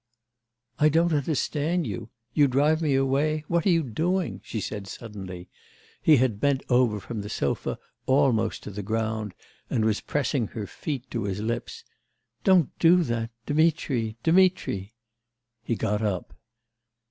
'I don't understand you. You drive me away?.. What are you doing?' she said suddenly; he had bent over from the sofa almost to the ground, and was pressing her feet to his lips. 'Don't do that, Dmitri.... Dmitri ' He got up.